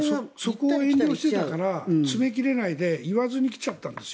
遠慮しちゃってたから詰め切れないで言わずに来ちゃったんです。